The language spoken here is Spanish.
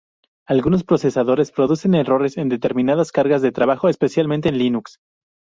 Algunos procesadores producen errores en determinadas cargas de trabajo especialmente en Linux.